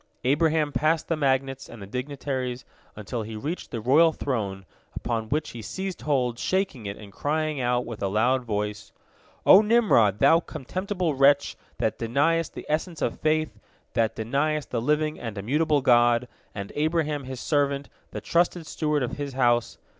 Abraham passed the magnates and the dignitaries until he reached the royal throne, upon which he seized hold, shaking it and crying out with a loud voice: "O Nimrod, thou contemptible wretch, that deniest the essence of faith, that deniest the living and immutable God, and Abraham His servant, the trusted steward of His house.